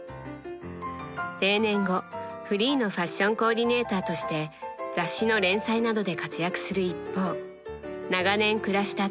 定年後フリーのファッションコーディネーターとして雑誌の連載などで活躍する一方長年暮らした東京を離れ安曇野に移住しました。